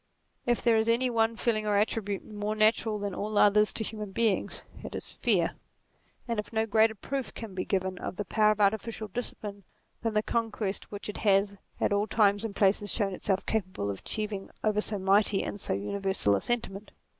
If there is any one feeling or attribute more natural than all others to human beings, it is fear ; and no greater proof can be given of the power of artificial discipline than the conquest which it has at all times and places shown itself capable of achieving over so mighty and so universal a sentiment.